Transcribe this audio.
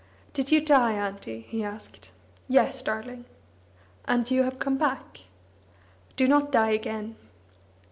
"Did you die, Auntie?" he asked. "Yes, darling." "And you have come back? Do not die again."